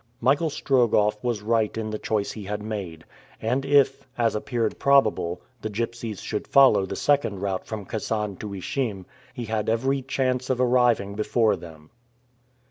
Michael Strogoff was right in the choice he had made, and if, as appeared probable, the gipsies should follow the second route from Kasan to Ishim, he had every chance of arriving before them.